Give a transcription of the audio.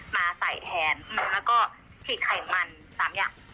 มาใส่แทนแล้วก็ฉีกไขมัน๓อย่าง